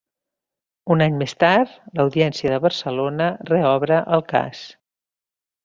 Un any més tard, l'Audiència de Barcelona reobre el cas.